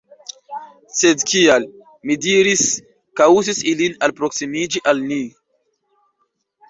Sed kial, mi diris, kaŭzis ilin alproksimiĝi al ni?